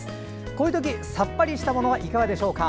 こういうときさっぱりしたものはいかがですか。